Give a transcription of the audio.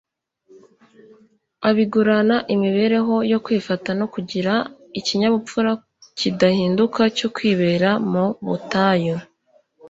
abigurana imibereho yo kwifata no kugira ikinyabupfura kidahinduka cyo kwibera mu butayu.